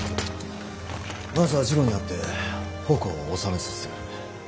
まずは次郎に会って矛を収めさせてくる。